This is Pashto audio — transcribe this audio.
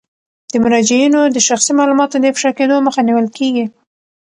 د مراجعینو د شخصي معلوماتو د افشا کیدو مخه نیول کیږي.